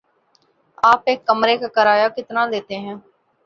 آپ ایک کمرے کا کرایہ کتنا لیتے ہیں؟